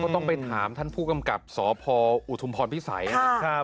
ต้องไปถามท่านผู้กำกับสพออุทุมพรพิสัยนะครับ